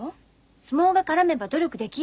相撲が絡めば努力できる。